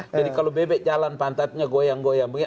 jadi kalau bebek jalan pantatnya goyang goyang